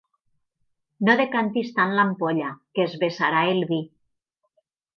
No decantis tant l'ampolla, que es vessarà el vi.